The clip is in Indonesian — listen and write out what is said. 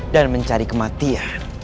dan mencari kematian